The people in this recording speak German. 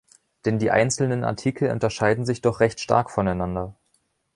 Denn die einzelnen Artikel unterscheiden sich doch recht stark voneinander.